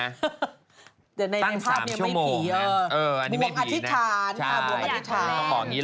แต่ในภาพยังเป็นผี